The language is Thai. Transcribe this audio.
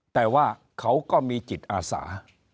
แต่ว่าเขาก็มีจิตอาสา